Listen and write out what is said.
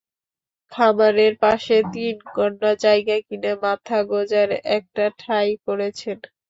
খামারের পাশে তিন গন্ডা জায়গা কিনে মাথা গোজার একটা ঠাঁই করেছেন।